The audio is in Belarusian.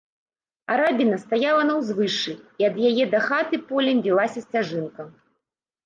Арабіна стаяла на ўзвышшы, і ад яе да хаты полем вілася сцяжынка.